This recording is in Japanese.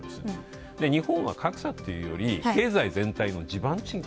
日本は格差というより経済全体の地盤沈下。